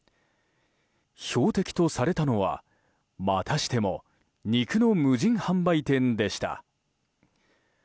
標的とされたのは、またしても肉の無人販売店でした。